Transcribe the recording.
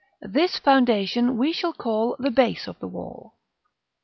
This foundation we shall call the Base of the wall.